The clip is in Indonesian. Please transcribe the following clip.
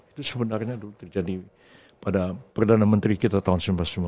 itu sebenarnya terjadi pada perdana menteri kita tahun seribu sembilan ratus lima puluh lima